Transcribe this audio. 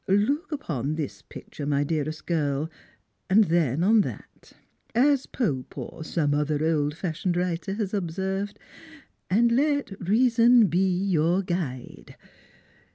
Look upon this picture, my dearest girl, and then on that. — as Pope, or some other old fashioned writer, has observed, — and let reason be vour guide.